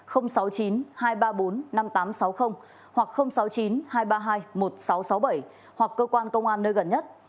hoặc sáu mươi chín hai trăm ba mươi hai một nghìn sáu trăm sáu mươi bảy hoặc cơ quan công an nơi gần nhất